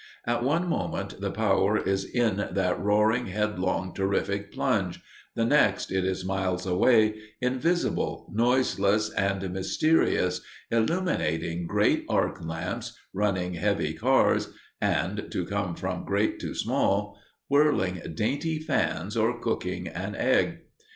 At one moment the power is in that roaring, headlong, terrific plunge the next, it is miles away, invisible, noiseless, and mysterious, illuminating great arc lamps, running heavy cars, and to come from great to small whirling dainty fans or cooking an egg.